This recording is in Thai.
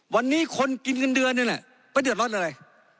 วันนี้คนกินเงินเดือนนี่แหละไปเดือดร้อนอะไร